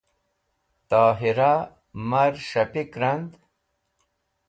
tahira mar s̃hapik rand